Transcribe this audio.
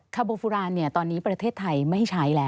คาโบฟุรานตอนนี้ประเทศไทยไม่ใช้แล้ว